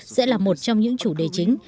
sẽ là một trong những chủ đề chính